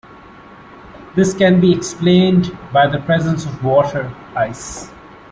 This can be explained by the presence of water ice.